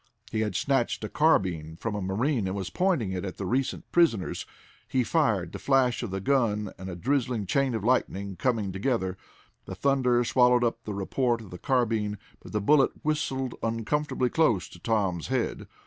He had snatched a carbine from a marine, and was pointing it at the recent prisoners. He fired, the flash of the gun and a dazzling chain of lightning coming together. The thunder swallowed up the report of the carbine, but the bullet whistled uncomfortable close to Tom's head.